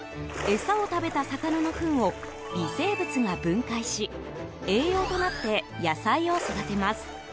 餌を食べた魚のフンを微生物が分解し栄養となって野菜を育てます。